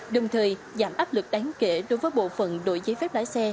đồng thời giảm áp lực đáng kể đối với bộ phận đội giấy phép lái xe